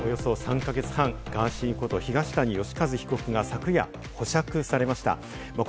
逮捕からおよそ３か月半、ガーシーこと東谷義和被告が昨夜、保釈されました。